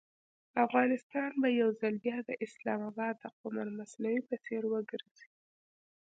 افغانستان به یو ځل بیا د اسلام اباد د قمر مصنوعي په څېر وګرځي.